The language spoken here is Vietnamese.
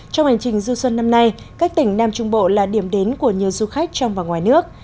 trong hành trình du xuân năm nay các tỉnh nam trung bộ là điểm đến của nhiều du khách trong và ngoài nước